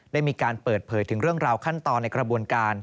ได้มีการเปิดเผยถึงเรื่องราวขั้นตอนในกระบวนการ